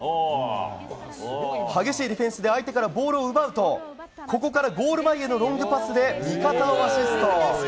激しいディフェンスで相手からボールを奪うとここからゴール前へのロングパスで味方をアシスト。